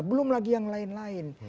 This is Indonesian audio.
belum lagi yang lain lain